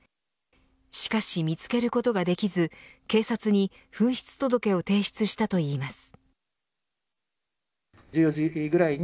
しかし見つけることができず警察に紛失届を提出したといいます。